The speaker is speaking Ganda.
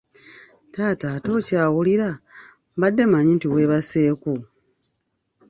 Taata ate okyawulira, mbadde mmanyi nti weebaseeko.